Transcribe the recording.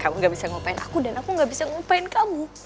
kamu gak bisa ngupain aku dan aku gak bisa ngupain kamu